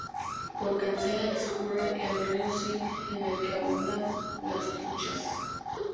Por Cancela discurre el río Sil, en el que abundan las truchas.